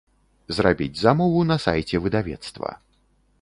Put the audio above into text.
Зрабіць замову на сайце выдавецтва.